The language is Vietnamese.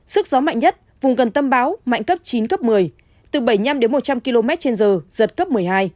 sức gió mạnh nhất vùng gần tâm bão mạnh cấp chín cấp một mươi từ bảy mươi năm đến một trăm linh km trên giờ giật cấp một mươi hai